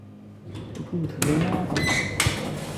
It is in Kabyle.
D tidet d aya ay teɣsemt?